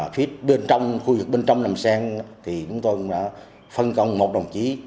phía bên trong khu vực bên trong nằm sen thì chúng tôi đã phân công một đồng chí